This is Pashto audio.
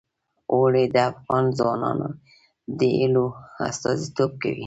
اوړي د افغان ځوانانو د هیلو استازیتوب کوي.